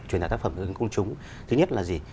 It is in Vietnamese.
truyền đạo tác phẩm đến công chúng thứ nhất là gì